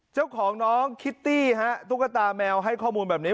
เจ้าของน้องคิตตี้ฮะตุ๊กตาแมวให้ข้อมูลแบบนี้